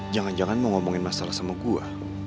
jangan jangan mau ngomongin masalah sama gue